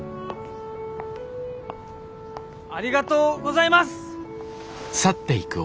ありがとうございます！